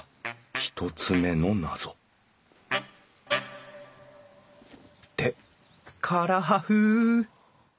１つ目の謎って唐破風！